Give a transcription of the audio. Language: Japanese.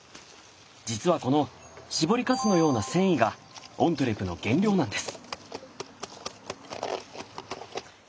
実はこの絞りかすのような繊維がオントゥレの原料なんです。